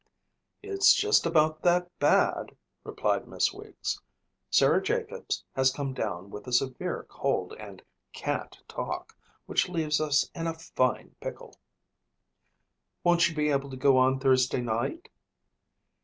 "It's just about that bad," replied Miss Weeks. "Sarah Jacobs has come down with a severe cold and can't talk, which leaves us in a fine pickle." "Won't she be able to go on Thursday night?"